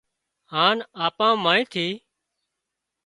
هانَ آپان مانيئن ٿي